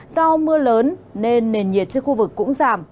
do mưa lớn nên nền nhiệt trên khu vực cũng giảm